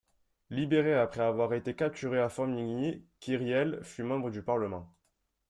Libéré après avoir été capturé à Formigny, Kyriell fut membre du Parlement.